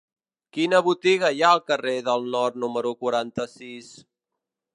Quina botiga hi ha al carrer del Nord número quaranta-sis?